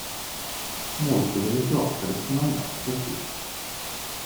Molte delle sue opere sono andate perdute.